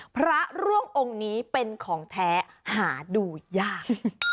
พระร่วงองค์นี้เป็นของแท้หาดูยาก